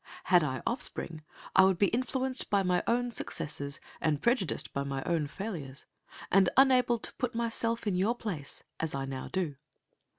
Had I offspring, I would be influenced by my own successes, and prejudiced by my own failures, and unable to put myself in your place, as I now do.